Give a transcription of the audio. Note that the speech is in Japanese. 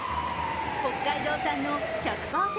北海道産の１００％